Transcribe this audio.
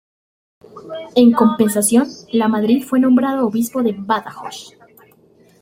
En compensación, Lamadrid fue nombrado Obispo de Badajoz.